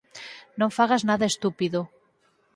Non fagas nada estúpido.